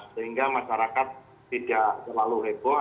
sehingga masyarakat tidak terlalu heboh